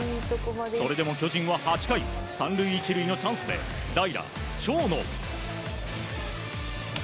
それでも巨人は８回３塁１塁のチャンスで代打、長野。